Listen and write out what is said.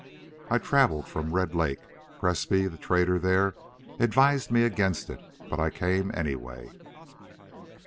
"I traveled from Red Lake. Presbrey, the trader there, advised against it, but I came anyway."